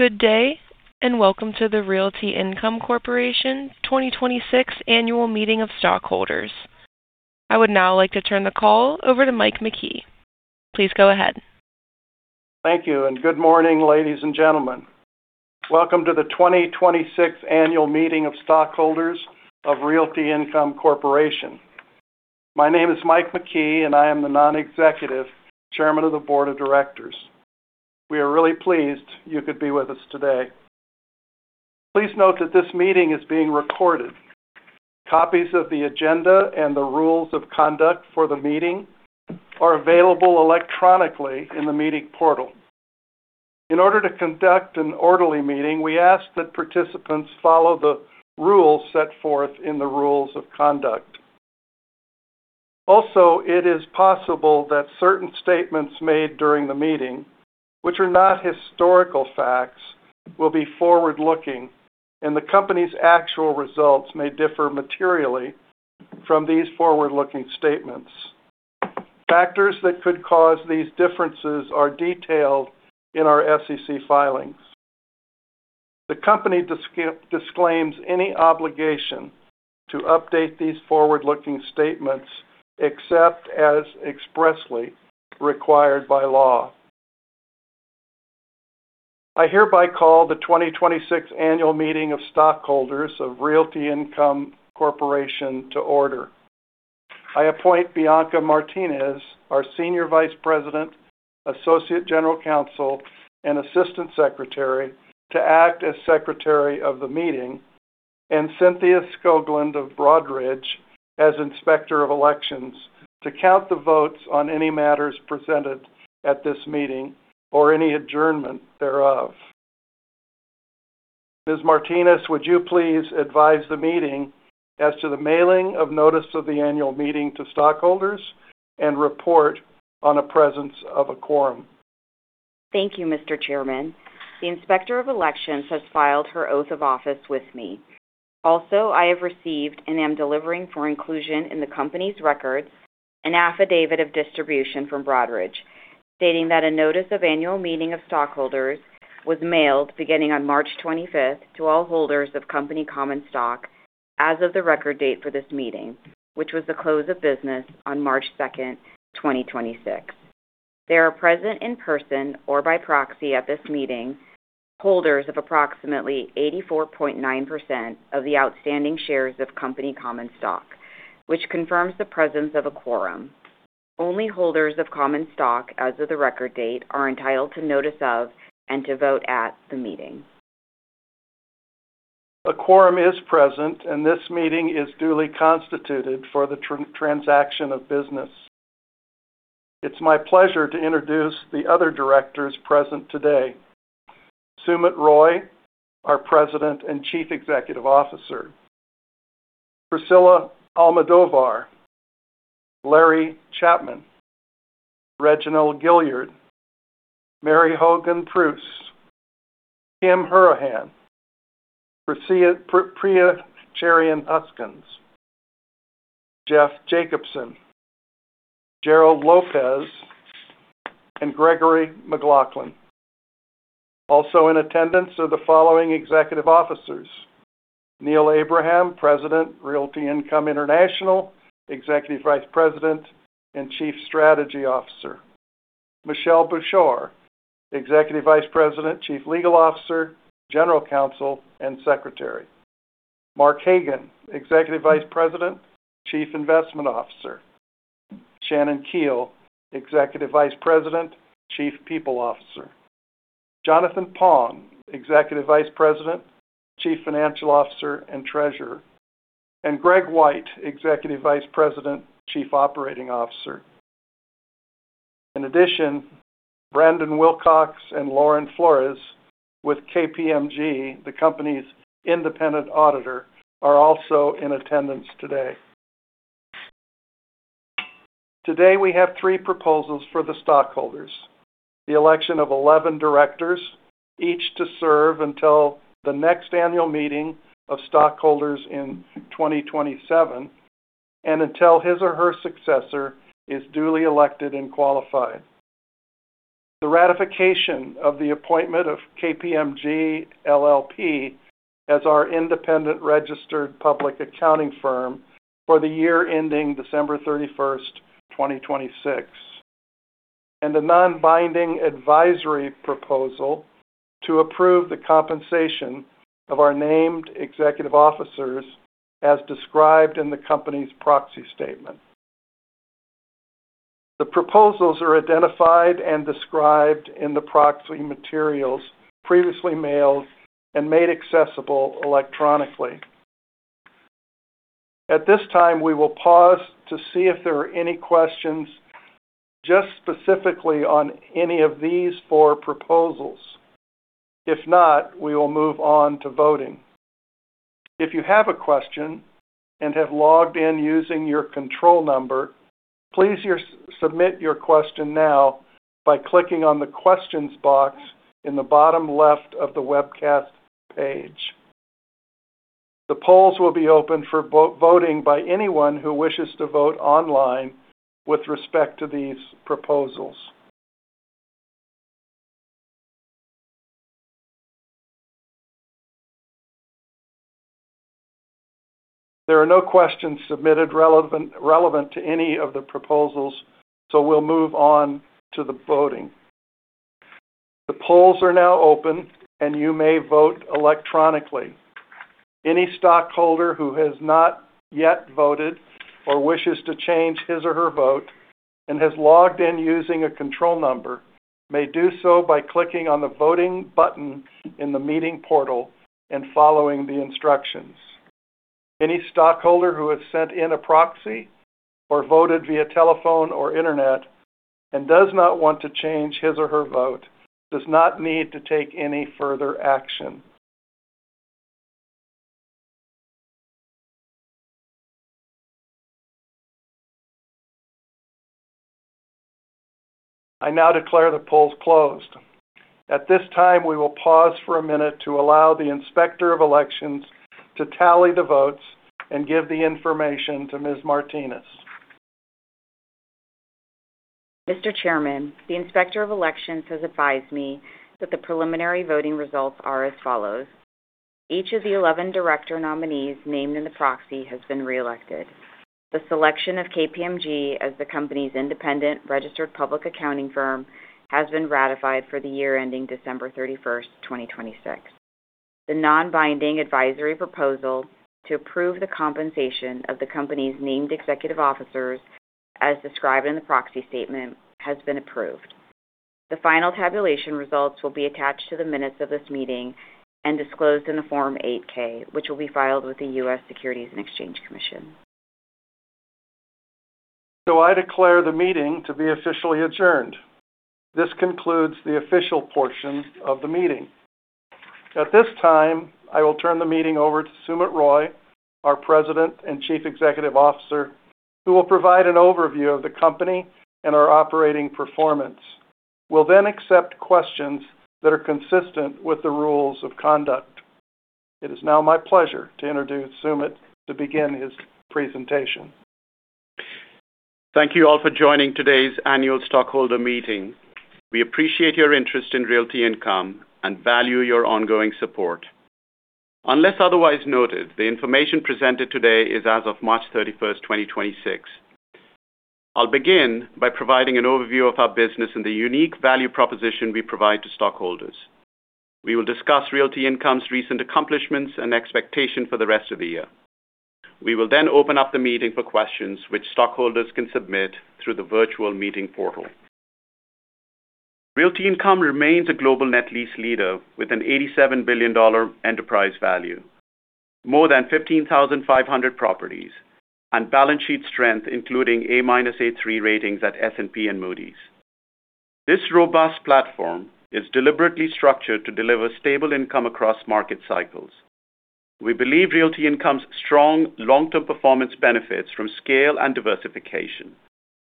Good day, and welcome to the Realty Income Corporation 2026 Annual Meeting of Stockholders. I would now like to turn the call over to Mike McKee. Please go ahead. Thank you, and good morning, ladies and gentlemen. Welcome to the 2026 Annual Meeting of Stockholders of Realty Income Corporation. My name is Mike McKee, and I am the Non-Executive Chairman of the Board of Directors. We are really pleased you could be with us today. Please note that this meeting is being recorded. Copies of the agenda and the rules of conduct for the meeting are available electronically in the meeting portal. In order to conduct an orderly meeting, we ask that participants follow the rules set forth in the rules of conduct. Also, it is possible that certain statements made during the meeting, which are not historical facts, will be forward-looking, and the company's actual results may differ materially from these forward-looking statements. Factors that could cause these differences are detailed in our SEC filings. The company disclaims any obligation to update these forward-looking statements except as expressly required by law. I hereby call the 2026 Annual Meeting of Stockholders of Realty Income Corporation to order. I appoint Bianca Martinez, our Senior Vice President, Associate General Counsel, and Assistant Secretary, to act as secretary of the meeting, and Cynthia Skoglund of Broadridge as inspector of elections to count the votes on any matters presented at this meeting or any adjournment thereof. Ms. Martinez, would you please advise the meeting as to the mailing of notice of the annual meeting to stockholders and report on a presence of a quorum? Thank you, Mr. Chairman. The Inspector of Elections has filed her oath of office with me. I have received and am delivering for inclusion in the company's records an affidavit of distribution from Broadridge, stating that a notice of annual meeting of stockholders was mailed beginning on March 25th to all holders of company common stock as of the record date for this meeting, which was the close of business on March 2nd, 2026. There are present in person or by proxy at this meeting holders of approximately 84.9% of the outstanding shares of company common stock, which confirms the presence of a quorum. Only holders of common stock as of the record date are entitled to notice of and to vote at the meeting. A quorum is present, and this meeting is duly constituted for the transaction of business. It's my pleasure to introduce the other directors present today. Sumit Roy, our President and Chief Executive Officer. Priscilla Almodovar, Larry Chapman, Reginald Gilyard, Mary Hogan Preusse, Kim Hourihan, Priya Cherian Huskins, Jeff Jacobson, Gerald Lopez, and Gregory McLaughlin. Also in attendance are the following executive officers: Neil Abraham, President, Realty Income International, Executive Vice President, and Chief Strategy Officer. Michelle Bushore, Executive Vice President, Chief Legal Officer, General Counsel, and Secretary. Mark Hagan, Executive Vice President, Chief Investment Officer. Shannon Keel, Executive Vice President, Chief People Officer. Jonathan Pong, Executive Vice President, Chief Financial Officer, and Treasurer, and Greg Whyte, Executive Vice President, Chief Operating Officer. In addition, Brandon Wilcox and Lauren Flores with KPMG, the company's independent auditor, are also in attendance today. Today, we have three proposals for the stockholders. The election of 11 directors, each to serve until the next annual meeting of stockholders in 2027 and until his or her successor is duly elected and qualified. The ratification of the appointment of KPMG LLP as our independent registered public accounting firm for the year ending December 31st, 2026, and a non-binding advisory proposal to approve the compensation of our named executive officers as described in the company's proxy statement. The proposals are identified and described in the proxy materials previously mailed and made accessible electronically. At this time, we will pause to see if there are any questions just specifically on any of these four proposals. If not, we will move on to voting. If you have a question and have logged in using your control number, please submit your question now by clicking on the questions box in the bottom left of the webcast page. The polls will be open for voting by anyone who wishes to vote online with respect to these proposals. There are no questions submitted relevant to any of the proposals. We'll move on to the voting. The polls are now open. You may vote electronically. Any stockholder who has not yet voted or wishes to change his or her vote and has logged in using a control number may do so by clicking on the Voting button in the meeting portal and following the instructions. Any stockholder who has sent in a proxy or voted via telephone or internet and does not want to change his or her vote does not need to take any further action. I now declare the polls closed. At this time, we will pause for a minute to allow the Inspector of Elections to tally the votes and give the information to Ms. Martinez. Mr. Chairman, the Inspector of Elections has advised me that the preliminary voting results are as follows. Each of the 11 director nominees named in the proxy has been reelected. The selection of KPMG as the company's independent registered public accounting firm has been ratified for the year ending December 31st, 2026. The non-binding advisory proposal to approve the compensation of the company's named executive officers, as described in the proxy statement, has been approved. The final tabulation results will be attached to the minutes of this meeting and disclosed in the Form 8-K, which will be filed with the U.S. Securities and Exchange Commission. I declare the meeting to be officially adjourned. This concludes the official portion of the meeting. At this time, I will turn the meeting over to Sumit Roy, our President and Chief Executive Officer, who will provide an overview of the company and our operating performance. We'll then accept questions that are consistent with the rules of conduct. It is now my pleasure to introduce Sumit to begin his presentation. Thank you all for joining today's annual stockholder meeting. We appreciate your interest in Realty Income and value your ongoing support. Unless otherwise noted, the information presented today is as of March 31st, 2026. I'll begin by providing an overview of our business and the unique value proposition we provide to stockholders. We will discuss Realty Income's recent accomplishments and expectation for the rest of the year. We will open up the meeting for questions which stockholders can submit through the virtual meeting portal. Realty Income remains a global net lease leader with an $87 billion enterprise value, more than 15,500 properties, and balance sheet strength, including A- A3 ratings at S&P and Moody's. This robust platform is deliberately structured to deliver stable income across market cycles. We believe Realty Income's strong long-term performance benefits from scale and diversification.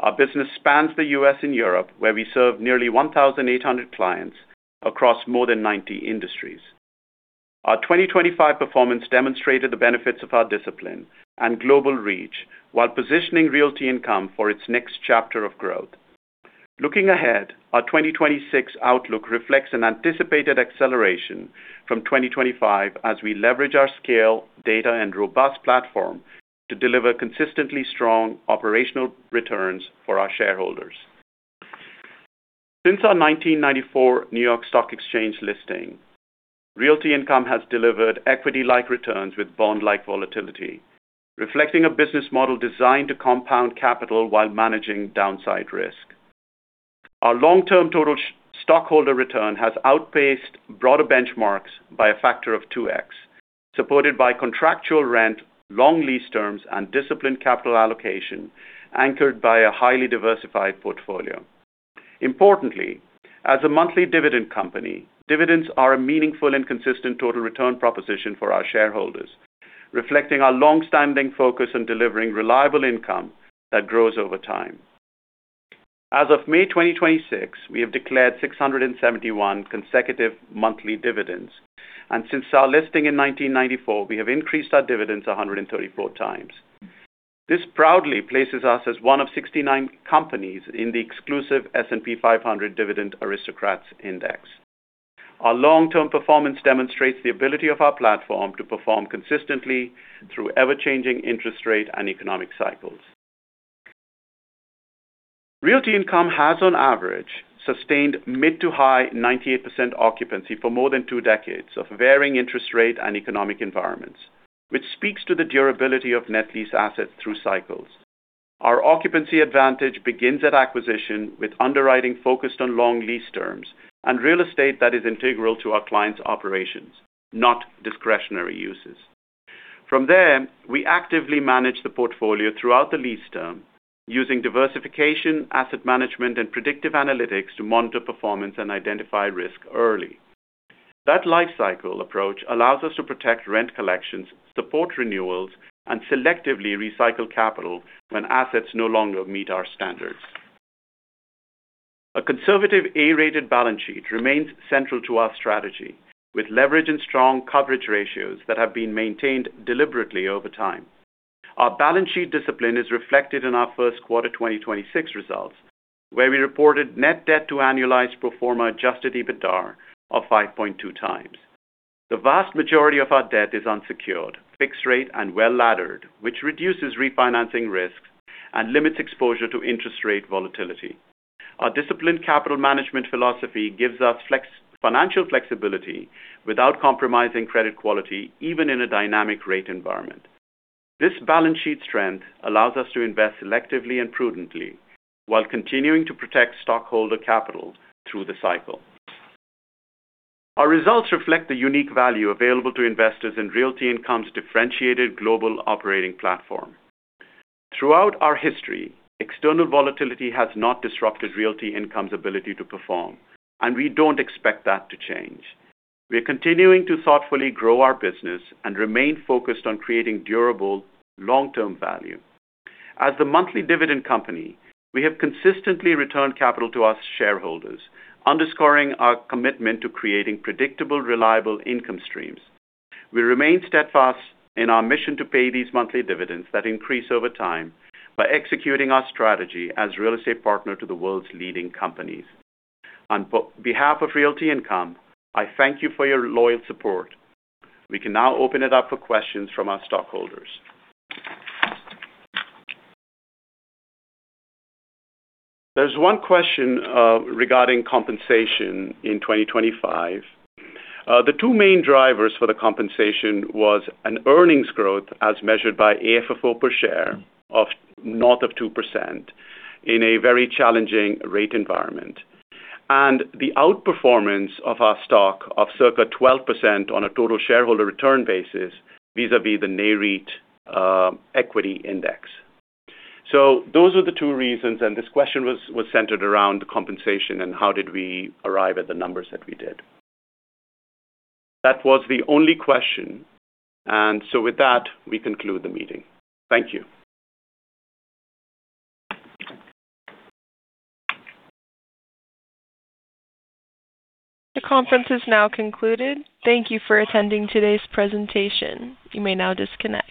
Our business spans the U.S. and Europe, where we serve nearly 1,800 clients across more than 90 industries. Our 2025 performance demonstrated the benefits of our discipline and global reach while positioning Realty Income for its next chapter of growth. Looking ahead, our 2026 outlook reflects an anticipated acceleration from 2025 as we leverage our scale, data, and robust platform to deliver consistently strong operational returns for our shareholders. Since our 1994 New York Stock Exchange listing, Realty Income has delivered equity-like returns with bond-like volatility, reflecting a business model designed to compound capital while managing downside risk. Our long-term total stockholder return has outpaced broader benchmarks by a factor of 2x, supported by contractual rent, long lease terms, and disciplined capital allocation anchored by a highly diversified portfolio. Importantly, as a monthly dividend company, dividends are a meaningful and consistent total return proposition for our shareholders, reflecting our longstanding focus on delivering reliable income that grows over time. As of May 2026, we have declared 671 consecutive monthly dividends, and since our listing in 1994, we have increased our dividends 134 times. This proudly places us as one of 69 companies in the exclusive S&P 500 Dividend Aristocrats Index. Our long-term performance demonstrates the ability of our platform to perform consistently through ever-changing interest rate and economic cycles. Realty Income has, on average, sustained mid to high 98% occupancy for more than two decades of varying interest rate and economic environments, which speaks to the durability of net lease assets through cycles. Our occupancy advantage begins at acquisition with underwriting focused on long lease terms and real estate that is integral to our clients' operations, not discretionary uses. From there, we actively manage the portfolio throughout the lease term using diversification, asset management, and predictive analytics to monitor performance and identify risk early. That life cycle approach allows us to protect rent collections, support renewals, and selectively recycle capital when assets no longer meet our standards. A conservative A-rated balance sheet remains central to our strategy, with leverage and strong coverage ratios that have been maintained deliberately over time. Our balance sheet discipline is reflected in our first quarter 2026 results, where we reported net debt to annualized pro forma adjusted EBITDAR of 5.2x. The vast majority of our debt is unsecured, fixed rate, and well-laddered, which reduces refinancing risks and limits exposure to interest rate volatility. Our disciplined capital management philosophy gives us financial flexibility without compromising credit quality, even in a dynamic rate environment. This balance sheet strength allows us to invest selectively and prudently while continuing to protect stockholder capital through the cycle. Our results reflect the unique value available to investors in Realty Income's differentiated global operating platform. Throughout our history, external volatility has not disrupted Realty Income's ability to perform, and we don't expect that to change. We are continuing to thoughtfully grow our business and remain focused on creating durable long-term value. As a monthly dividend company, we have consistently returned capital to our shareholders, underscoring our commitment to creating predictable, reliable income streams. We remain steadfast in our mission to pay these monthly dividends that increase over time by executing our strategy as real estate partner to the world's leading companies. On behalf of Realty Income, I thank you for your loyal support. We can now open it up for questions from our stockholders. There's one question regarding compensation in 2025. The two main drivers for the compensation was an earnings growth, as measured by AFFO per share of north of 2% in a very challenging rate environment. The outperformance of our stock of circa 12% on a total shareholder return basis vis-a-vis the NAREIT Equity Index. Those are the two reasons, and this question was centered around the compensation and how did we arrive at the numbers that we did. That was the only question. With that, we conclude the meeting. Thank you. The conference is now concluded. Thank you for attending today's presentation. You may now disconnect.